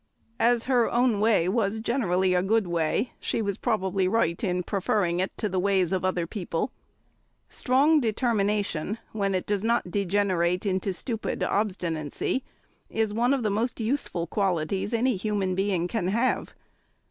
As her own way was generally a good way, she was probably right in preferring it to the ways of other people. Strong determination, when it does not degenerate into stupid obstinacy, is one of the most useful qualities any human being can have.